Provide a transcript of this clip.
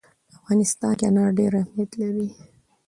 په افغانستان کې انار ډېر اهمیت لري.